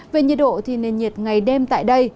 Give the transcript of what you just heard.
về nhiệt độ thì nền nhiệt ngày đêm tại đây